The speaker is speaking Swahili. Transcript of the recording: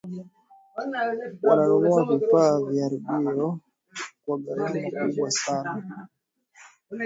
wananunua vifaa vya redio kwa gharama kubwa sana